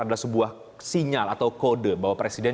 adalah sebuah sinyal atau kode bahwa presiden